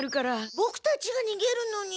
ボクたちがにげるのに。